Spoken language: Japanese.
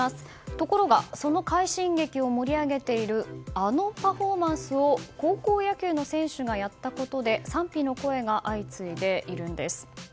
ところがその快進撃を盛り上げているあのパフォーマンスを高校野球の選手がやったことで賛否の声が相次いでいるんです。